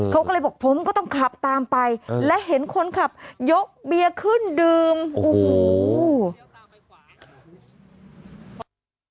เขาก็เลยบอกผมก็ต้องขับตามไปและเห็นคนขับยกเบียร์ขึ้นดื่มโอ้โห